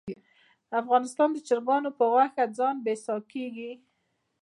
افغانستان د چرګانو په غوښه ځان بسیا کیږي